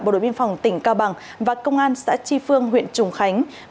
bộ đội biên phòng tỉnh cao bằng và công an xã chi phương huyện trùng khánh